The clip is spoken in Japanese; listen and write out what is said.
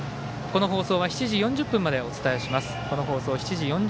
この放送は７時４０分までお伝えします。